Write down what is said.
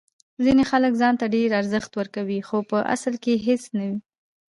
ځینې خلک ځان ته ډیر ارزښت ورکوي خو په اصل کې هیڅ نه وي.